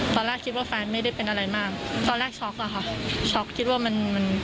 ตอนแรกคิดว่าแฟนไม่ได้เป็นอะไรมากตอนแรกช็อกอะค่ะช็อกคิดว่ามันมัน